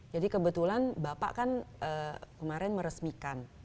jadi kebetulan bapak kan kemarin meresmikan